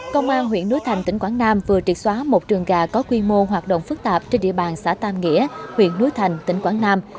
công an huyện núi thành tỉnh quảng nam vừa triệt xóa một trường gà có quy mô hoạt động phức tạp trên địa bàn xã tam nghĩa huyện núi thành tỉnh quảng nam